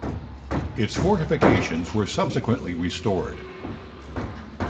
Its fortifications were subsequently restored.